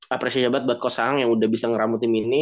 apresiasi banget buat coach ahang yang udah bisa ngeramu tim ini